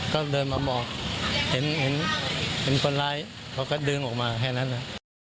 ก็เดินมาบอกเห็นคนร้ายเขาก็ดึงออกมาแค่นั้น